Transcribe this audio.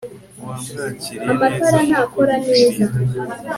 wamwakiriye neza nkuko bikwiriye